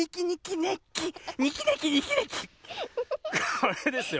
これですよ。